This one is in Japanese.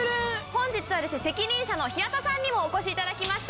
本日は責任者の平田さんにもお越しいただきました。